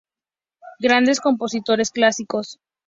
Grandes compositores, clásicos.